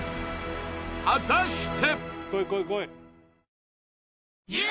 果たして？